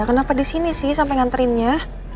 kenapa di sini sih sampe ngantrinnya